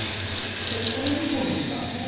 この２本の木があるね。